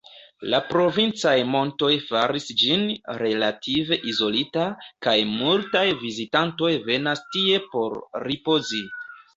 La provincaj montoj faris ĝin relative izolita, kaj multaj vizitantoj venas tie por ripozi.